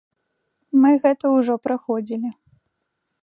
Мы гэта ўжо праходзілі.